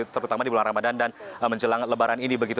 terutama di bulan ramadan dan menjelang lebaran ini begitu